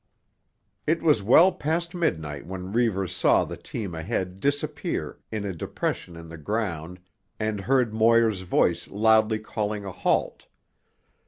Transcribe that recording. It was well past midnight when Reivers saw the team ahead disappear in a depression in the ground and heard Moir's voice loudly calling a halt.